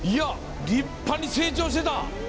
立派に成長してた。